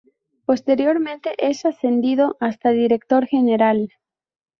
Posteriormente es ascendido hasta director general.